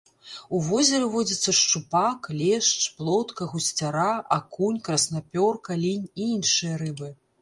У возеры водзяцца шчупак, лешч, плотка, гусцяра, акунь, краснапёрка, лінь і іншыя рыбы.